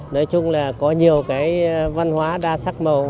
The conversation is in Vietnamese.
nói chung là có nhiều cái văn hóa đa sắc màu